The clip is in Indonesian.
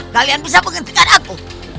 kalian bisa menghentikan aku